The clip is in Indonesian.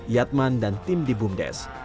yatman dan tim di bumdes